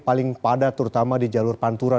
paling padat terutama di jalur pantura